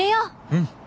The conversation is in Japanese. うん。